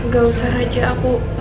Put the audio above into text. gak usah raja aku